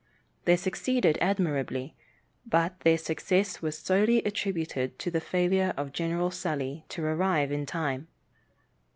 They succeeded admirably, but their success was solely attributed to the failure of General Sully to arrive in time.